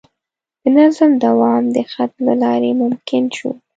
د نظم دوام د خط له لارې ممکن شو.